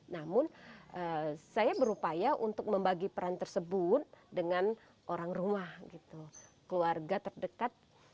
namun saya berupaya untuk membagi peran tersebut dengan orang rumah keluarga terdekat